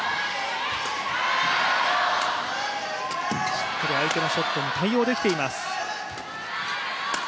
しっかり相手のショットに対応できています。